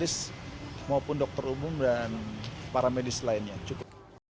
medis maupun dokter umum dan para medis lainnya cukup